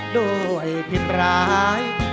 โดยผิดร้าย